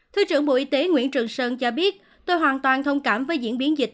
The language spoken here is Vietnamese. thứ trưởng bộ y tế nguyễn trường sơn cho biết tôi hoàn toàn thông cảm với diễn biến dịch